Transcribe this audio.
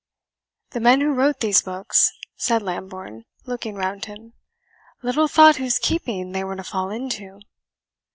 "The men who wrote these books," said Lambourne, looking round him, "little thought whose keeping they were to fall into."